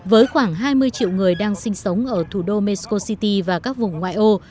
với khoảng hai mươi triệu người đang sinh sống ở thủ đô mexico city và các vùng ngoại ô